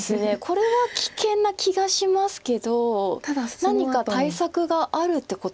これは危険な気がしますけど何か対策があるってことですか。